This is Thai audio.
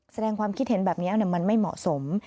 แสดงความคิดเห็นแบบนี้มันไม่เหมาะสม